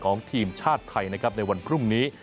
ของทีมชาติไทยนะครับในวันพรุ่งนี้